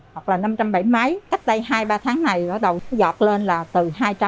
hoặc là năm trăm bảy mươi mấy cách đây hai ba tháng này bắt đầu giọt lên là từ hai trăm linh ba trăm linh